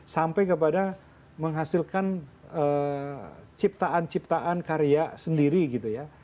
sampai kepada menghasilkan ciptaan ciptaan karya sendiri gitu ya